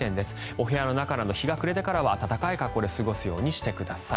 お部屋の中など日が暮れてからは暖かい格好で過ごすようにしてください。